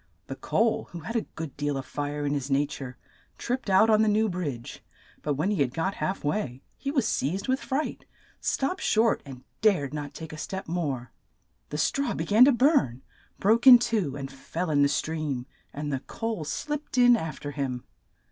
The coal, who had a good deal of fire in his na ture, tripped out on the new bridge, but when he had got half way, he was seized with fright, stopped short, and dared not take a step more. The straw be gan to burn, broke in two, and fell in the stream, and the coal slipped in af ter him.